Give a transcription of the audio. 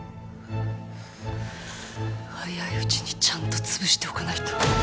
早いうちにちゃんとつぶしておかないと。